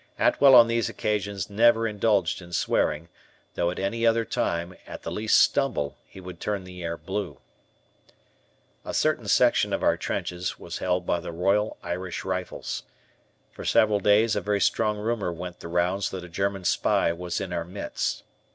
Atwell on these occasions never indulged in swearing, though at any other time, at the least stumble, he would turn the air blue. A certain section of our trenches was held by the Royal Irish Rifles. For several days a very strong rumor went the rounds that a German spy was in our midst.